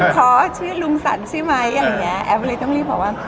เพราะชื่อลุงสรรค์ใช่ไหมแอฟเลยต้องรีบบอกว่า